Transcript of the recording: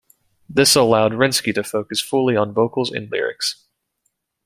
This allowed Renkse to focus fully on vocals and lyrics.